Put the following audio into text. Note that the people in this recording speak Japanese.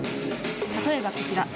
例えばこちら。